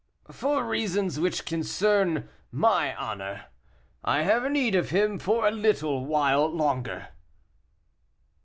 "For reasons which concern my honor. I have need of him for a little while longer."